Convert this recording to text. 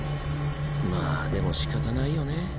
まァでも仕方ないよね